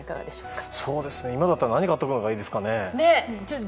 今だったら何買っておくのがいいですかね？